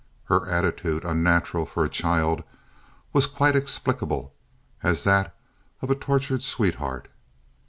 Her attitude, unnatural for a child, was quite explicable as that of a tortured sweetheart.